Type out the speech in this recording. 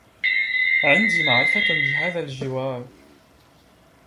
عندي معرفة بهذا الجوار.